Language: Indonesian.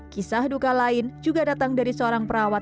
kisah duka lain juga datang dari seorang perawat